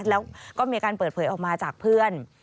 แล้วก็มีการเปิดเผยออกมาจากเพื่อน